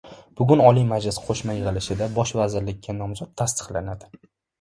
Bugun Oliy majlis qo‘shma yig‘ilishida bosh vazirlikka nomzod tasdiqlanadi